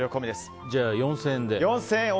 じゃあ、４０００円で。